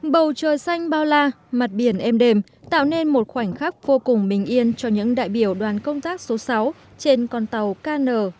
bầu trời xanh bao la mặt biển êm đềm tạo nên một khoảnh khắc vô cùng bình yên cho những đại biểu đoàn công tác số sáu trên con tàu kn ba trăm chín mươi